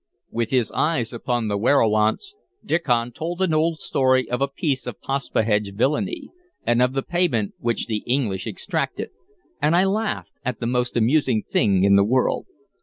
With his eyes upon the werowance, Diccon told an old story of a piece of Paspahegh villainy and of the payment which the English exacted, and I laughed as at the most amusing thing in the world.